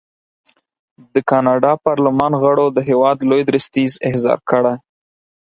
د کاناډا پارلمان غړو د هېواد لوی درستیز احضار کړی.